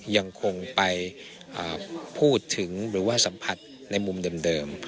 ยังคงไปพูดถึงหรือว่าสัมผัสในมุมเดิม